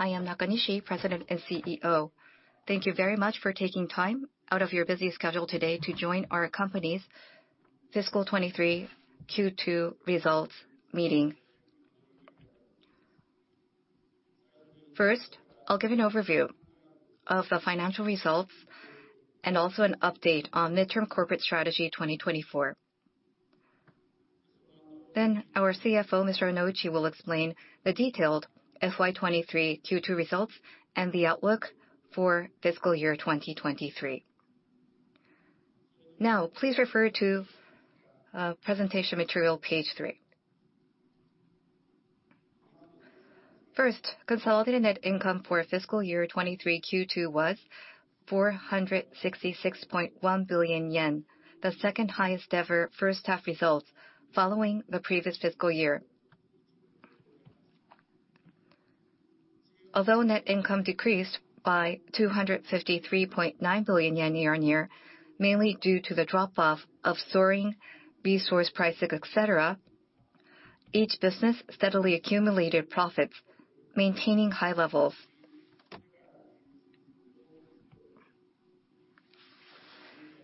I am Nakanishi, President and CEO. Thank you very much for taking time out of your busy schedule today to join our company's fiscal 2023 Q2 results meeting. First, I'll give an overview of the financial results and also an update on Midterm Corporate Strategy 2024. Then our CFO, Mr. Nouchi, will explain the detailed FY 2023 Q2 results and the outlook for fiscal year 2023. Now, please refer to presentation material, page three. First, consolidated net income for fiscal year 2023 Q2 was 466.1 billion yen, the second highest ever first half results following the previous fiscal year. Although net income decreased by 253.9 billion yen year-on-year, mainly due to the drop-off of soaring resource pricing, et cetera, each business steadily accumulated profits, maintaining high levels.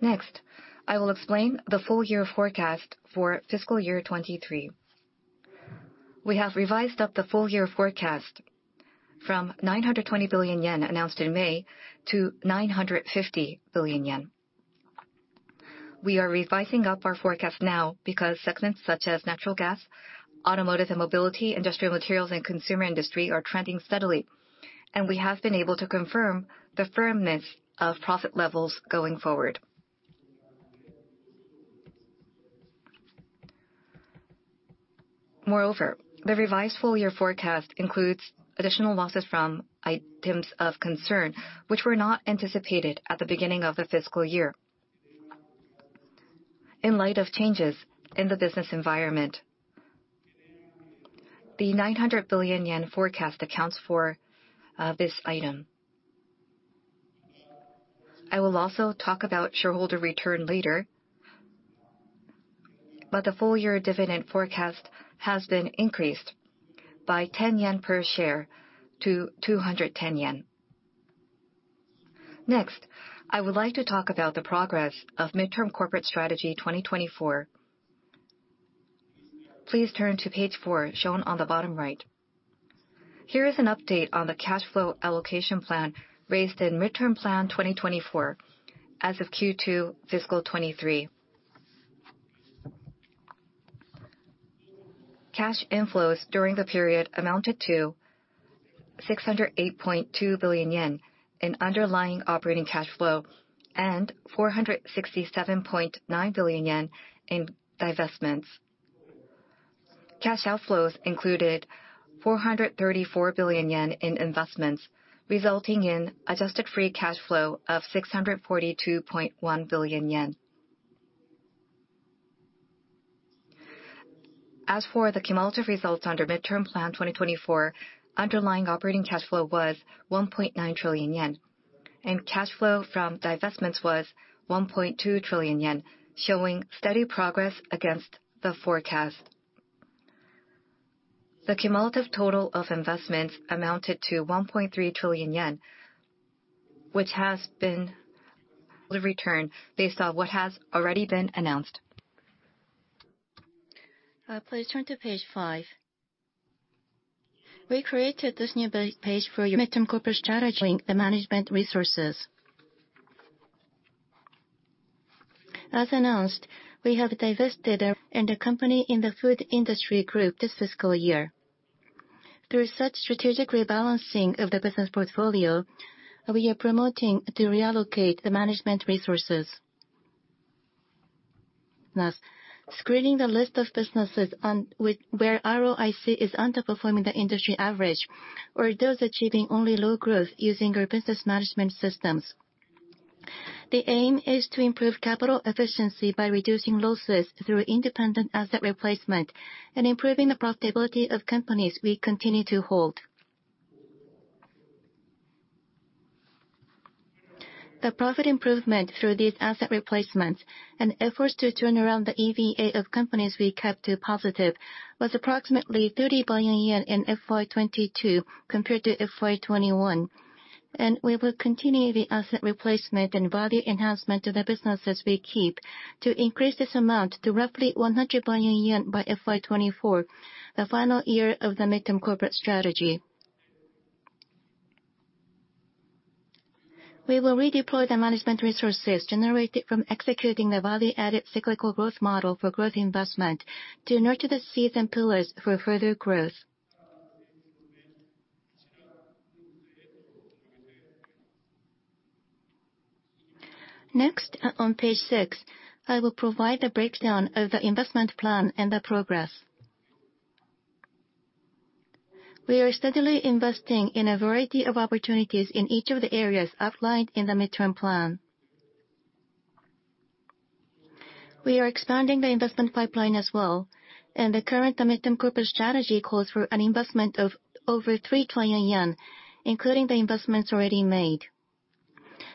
Next, I will explain the full year forecast for fiscal year 2023. We have revised up the full-year forecast from 920 billion yen announced in May to 950 billion yen. We are revising up our forecast now because segments such as Natural Gas, Automotive and Mobility, Industrial Materials, and Consumer Industry are trending steadily, and we have been able to confirm the firmness of profit levels going forward. Moreover, the revised full-year forecast includes additional losses from items of concern, which were not anticipated at the beginning of the fiscal year. In light of changes in the business environment, the 900 billion yen forecast accounts for this item. I will also talk about shareholder return later, but the full-year dividend forecast has been increased by 10 yen per share to 210 yen. Next, I would like to talk about the progress of Midterm Corporate Strategy 2024. Please turn to page four, shown on the bottom right. Here is an update on the cash flow allocation plan raised in Midterm Plan 2024 as of Q2 fiscal 2023. Cash inflows during the period amounted to 608.2 billion yen in underlying operating cash flow and 467.9 billion yen in divestments. Cash outflows included 434 billion yen in investments, resulting in adjusted free cash flow of 642.1 billion yen. As for the cumulative results under Midterm Plan 2024, underlying operating cash flow was 1.9 trillion yen, and cash flow from divestments was 1.2 trillion yen, showing steady progress against the forecast. The cumulative total of investments amounted to 1.3 trillion yen, which has been the return based on what has already been announced. Please turn to page five. We created this new page for your Midterm Corporate Strategy, the management resources. As announced, we have divested a company in the Food Industry Group this fiscal year. Through such strategic rebalancing of the business portfolio, we are promoting to reallocate the management resources. Thus, screening the list of businesses on which where ROIC is underperforming the industry average, or those achieving only low growth using our business management systems. The aim is to improve capital efficiency by reducing losses through independent asset replacement and improving the profitability of companies we continue to hold. The profit improvement through these asset replacements and efforts to turn around the EVA of companies we kept to positive was approximately 30 billion yen in FY 2022 compared to FY 2021. We will continue the asset replacement and value enhancement to the businesses we keep to increase this amount to roughly 100 billion yen by FY 2024, the final year of the Midterm Corporate Strategy. We will redeploy the management resources generated from executing the Value-Added Cyclical Growth Model for growth investment to nurture the seeds and pillars for further growth. Next, on page six, I will provide a breakdown of the investment plan and the progress. We are steadily investing in a variety of opportunities in each of the areas outlined in the midterm plan. We are expanding the investment pipeline as well, and the current Midterm Corporate Strategy calls for an investment of over 3 trillion yen, including the investments already made....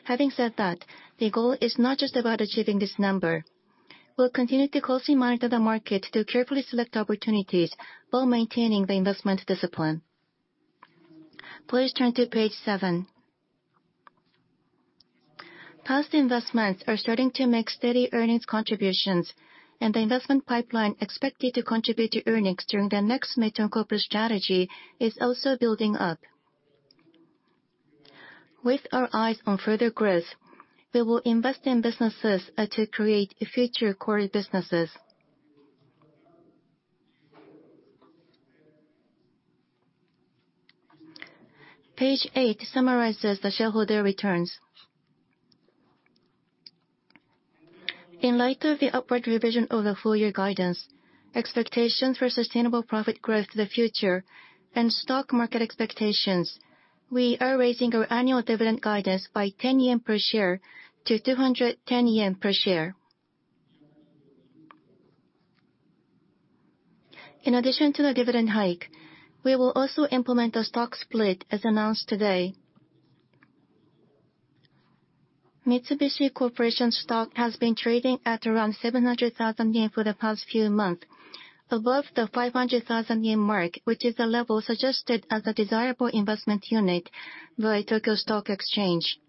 Having said that, the goal is not just about achieving this number. We'll continue to closely monitor the market to carefully select opportunities while maintaining the investment discipline. Please turn to page seven. Past investments are starting to make steady earnings contributions, and the investment pipeline expected to contribute to earnings during the next midterm corporate strategy is also building up. With our eyes on further growth, we will invest in businesses to create future core businesses. Page 8eight summarizes the shareholder returns. In light of the upward revision of the full year guidance, expectations for sustainable profit growth to the future, and stock market expectations, we are raising our annual dividend guidance by 10 yen per share to 210 yen per share. In addition to the dividend hike, we will also implement a stock split, as announced today. Mitsubishi Corporation stock has been trading at around 700,000 yen for the past few months, above the 500,000 yen mark, which is the level suggested as a desirable investment unit by Tokyo Stock Exchange.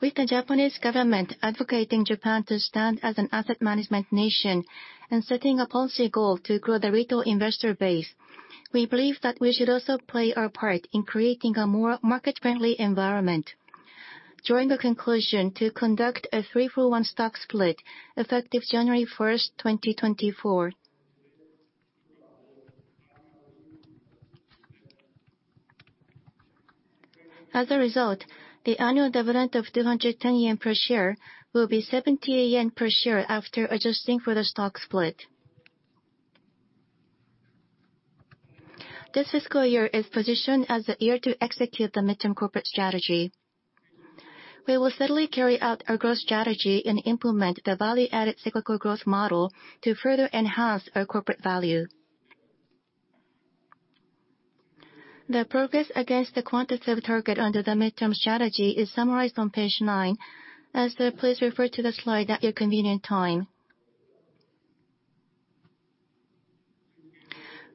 With the Japanese government advocating Japan to stand as an asset management nation and setting a policy goal to grow the retail investor base, we believe that we should also play our part in creating a more market-friendly environment. Drawing the conclusion to conduct a three-for-one stock split, effective January 1st, 2024. As a result, the annual dividend of 210 yen per share will be 70 yen per share after adjusting for the stock split. This fiscal year is positioned as the year to execute the midterm corporate strategy. We will steadily carry out our growth strategy and implement the Value-Added Cyclical Growth Model to further enhance our corporate value. The progress against the quantitative target under the Midterm Corporate Strategy is summarized on page nine, please refer to the slide at your convenient time.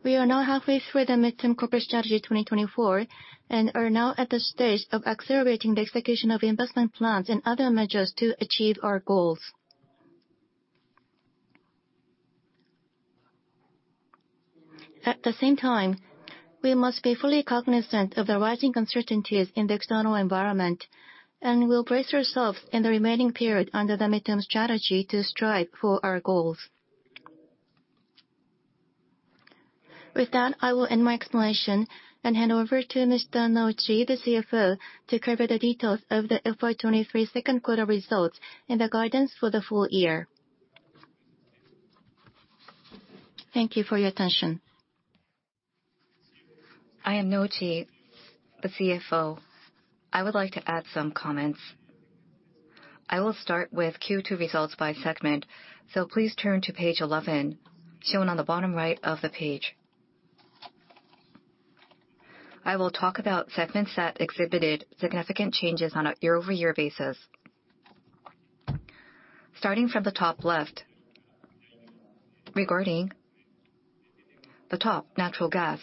We are now halfway through the Midterm Corporate Strategy 2024, and are now at the stage of accelerating the execution of investment plans and other measures to achieve our goals. At the same time, we must be fully cognizant of the rising uncertainties in the external environment and will brace ourselves in the remaining period under the Midterm Corporate Strategy to strive for our goals. With that, I will end my explanation and hand over to Mr. Nouchi, the CFO, to cover the details of the FY 2023 second quarter results and the guidance for the full year. Thank you for your attention. I am Yuzo Nouchi, the CFO. I would like to add some comments. I will start with Q2 results by segment, so please turn to page 11, shown on the bottom right of the page. I will talk about segments that exhibited significant changes on a year-over-year basis. Starting from the top left, regarding the top, natural gas,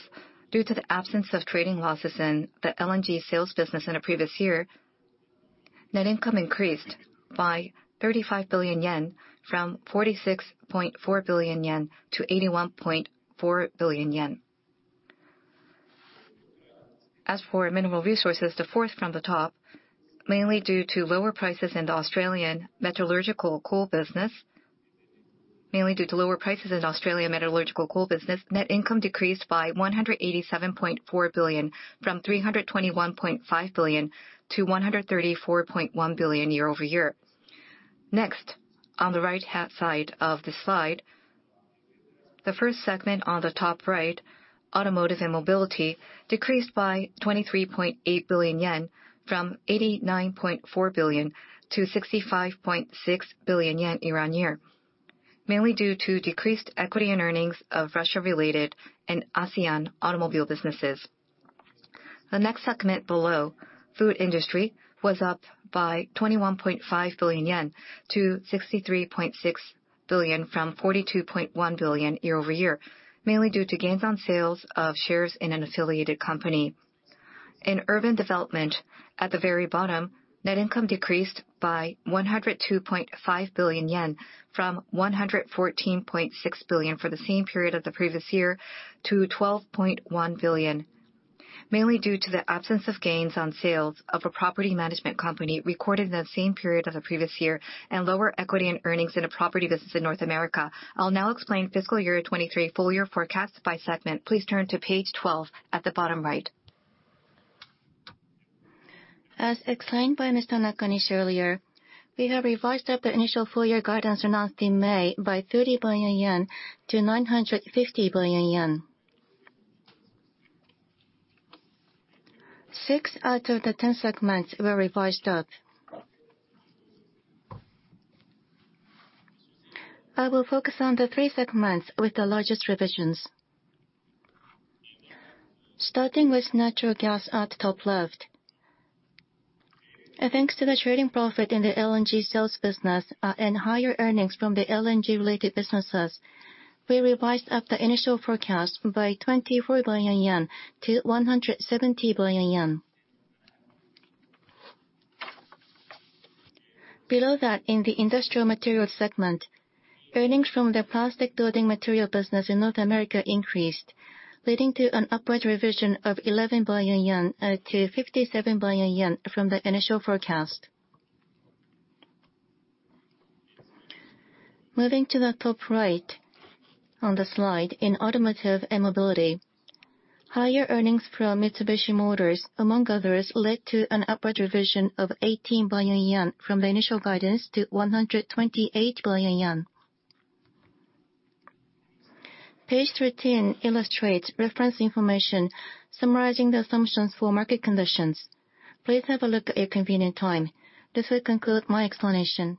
due to the absence of trading losses in the LNG sales business in the previous year, net income increased by 35 billion yen from 46.4 billion yen to 81.4 billion yen. As for Mineral Resources, the fourth from the top, mainly due to lower prices in the Australian metallurgical coal business, mainly due to lower prices in Australian metallurgical coal business, net income decreased by 187.4 billion, from 321.5 billion to 134.1 billion year over year. Next, on the right-hand side of the slide, the first segment on the top right, Automotive and Mobility, decreased by 23.8 billion yen, from 89.4 billion-65.6 billion yen year-on-year, mainly due to decreased equity and earnings of Russia-related and ASEAN automobile businesses. The next segment below, Food Industry, was up by 21.5 billion-63.6 billion yen from 42.1 billion year-on-year, mainly due to gains on sales of shares in an affiliated company. In Urban Development, at the very bottom, net income decreased by 102.5 billion yen from 114.6 billion for the same period of the previous year to 12.1 billion, mainly due to the absence of gains on sales of a property management company recorded in the same period of the previous year, and lower equity and earnings in a property business in North America. I'll now explain fiscal year 2023 full year forecast by segment. Please turn to page 12 at the bottom right. As explained by Mr. Nakanishi earlier, we have revised up the initial full-year guidance announced in May by 30 billion-950 billion yen. Six out of the 10 segments were revised up. I will focus on the three segments with the largest revisions. Starting with natural gas at the top left, and thanks to the trading profit in the LNG sales business, and higher earnings from the LNG-related businesses, we revised up the initial forecast by 24 billion-170 billion yen. Below that, in the industrial materials segment, earnings from the plastic building material business in North America increased, leading to an upward revision of 11 billion-57 billion yen from the initial forecast. Moving to the top right on the slide, in automotive and mobility, higher earnings from Mitsubishi Motors, among others, led to an upward revision of 18 billion yen from the initial guidance to 128 billion yen. Page 13 illustrates reference information summarizing the assumptions for market conditions. Please have a look at your convenient time. This will conclude my explanation.